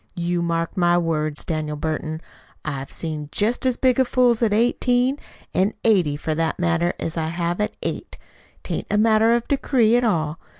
You mark my words, Daniel Burton. I have seen jest as big fools at eighteen, an' eighty, for that matter, as I have at eight. 'T ain't a matter of decree at all.